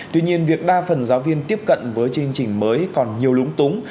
tuy nhiên việc đa phần giáo viên tiếp cận với chương trình mới còn nhiều lúng túng